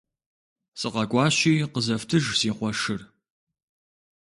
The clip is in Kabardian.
СыкъэкӀуащи, къызэфтыж си къуэшыр.